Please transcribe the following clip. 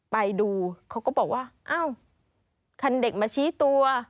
ไปดูเขาก็บอกว่าอ้าวคันเด็กมาชี้ตัว